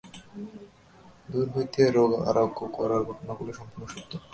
দূর হইতে রোগ আরোগ্য করার ঘটনাগুলি সম্পূর্ণ সত্য।